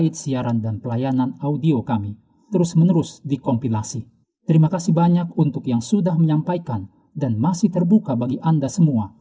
terima kasih banyak untuk yang sudah menyampaikan dan masih terbuka bagi anda semua